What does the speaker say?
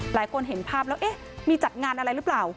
หลายคนเห็นภาพแล้วเอ๊ะมีจัดงานอะไรหรือเปล่า